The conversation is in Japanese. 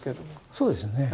そうですね。